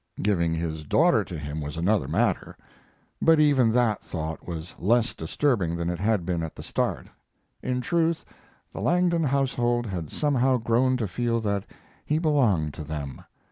Giving his daughter to him was another matter, but even that thought was less disturbing than it had been at the start. In truth, the Langdon household had somehow grown to feel that he belonged to them.